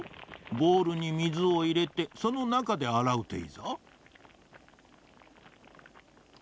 ボウルに水をいれてそのなかであらうといいぞ。